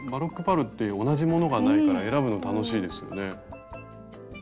パールって同じものがないから選ぶの楽しいですよね。